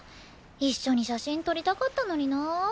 一緒に写真撮りたかったのにな。